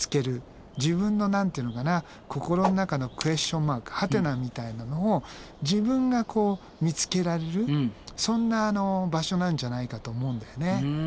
自分の何て言うのかな心の中のクエスチョンマークはてなみたいなのを自分が見つけられるそんな場所なんじゃないかと思うんだよね。